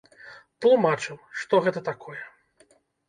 Тлумачым, што гэта такое.